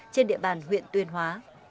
trên địa bàn huyện tuyên hóa